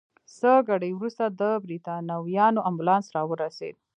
څه ګړی وروسته د بریتانویانو امبولانس راورسېد.